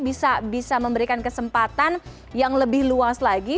bisa memberikan kesempatan yang lebih luas lagi